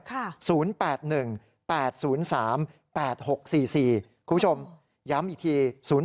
คุณผู้ชมย้ำอีกที๐๘